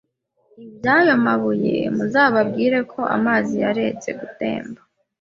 iby ayo mabuye muzababwire ko amazi yaretse gutemba